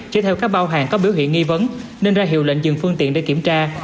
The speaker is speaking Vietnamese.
chế theo các bao hàng có biểu hiện nghi vấn nên ra hiệu lệnh dừng phương tiện để kiểm tra